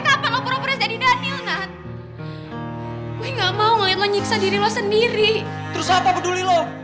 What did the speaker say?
termasuk kematian daniel